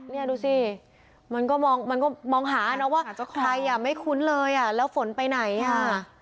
เนี่ยดูสิมันก็มองมันก็มองหานะว่าใครอ่ะไม่คุ้นเลยอ่ะแล้วฝนไปไหนอ่ะ